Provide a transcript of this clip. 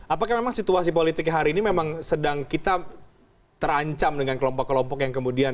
apakah memang situasi politik hari ini memang sedang kita terancam dengan kelompok kelompok yang kemudian